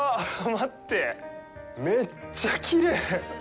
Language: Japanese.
待って、めっちゃきれい！